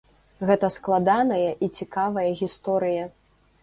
Гэта складаная і цікавая гісторыя.